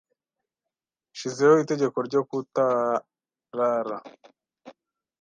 Nshizeho itegeko ryo kutarara.